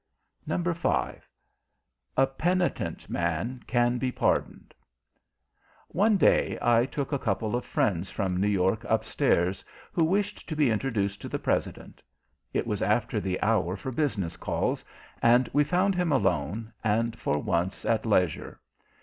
A PENITENT MAN CAN BE PARDONED One day I took a couple of friends from New York upstairs, who wished to be introduced to the President. It was after the hour for business calls, and we found him alone, and, for once, at leisure.